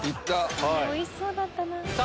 おいしそうだったなぁ。